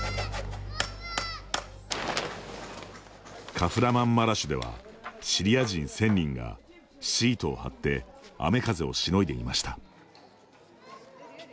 カフラマンマラシュではシリア人１０００人がシートを張って雨風をしのいでいました。